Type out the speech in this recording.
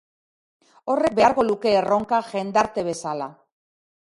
Horrek beharko luke erronka jendarte bezala.